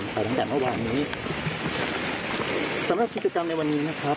ไปตั้งแต่เมื่อวานนี้สำหรับกิจกรรมในวันนี้นะครับ